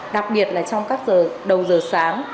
đặc biệt là trong các giờ đầu giờ sáng